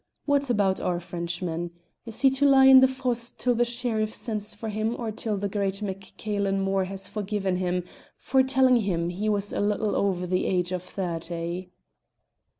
"What about our Frenchman? Is he to lie in the fosse till the Sheriff sends for him or till the great MacCailen Mor has forgiven him for telling him he was a little over the age of thirty?"